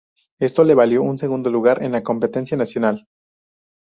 Esto les valió un segundo lugar en la competencia nacional.